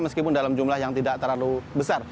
meskipun dalam jumlah yang tidak terlalu besar